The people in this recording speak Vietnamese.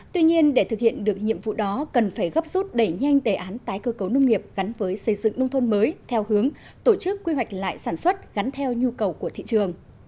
tuy nhiên để thực hiện được nhiệm vụ đó cần phải gấp rút đẩy nhanh đề án tái cơ cấu nông nghiệp gắn với xây dựng nông thôn mới theo hướng tổ chức quy hoạch lại sản xuất gắn theo nhu cầu của thị trường